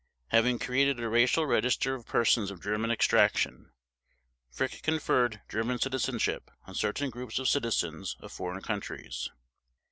Having created a racial register of persons of German extraction, Frick conferred German citizenship on certain groups of citizens of foreign countries.